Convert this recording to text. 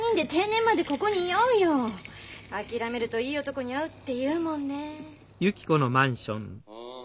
諦めるといい男に会うって言うもんね。